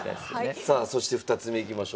さあそして２つ目いきましょう。